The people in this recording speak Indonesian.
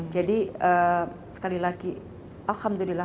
jadi sekali lagi alhamdulillah